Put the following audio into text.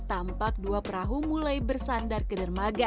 tampak dua perahu mulai bersandar ke dermaga